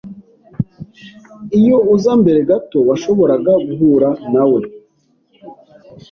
Iyo uza mbere gato, washoboraga guhura nawe.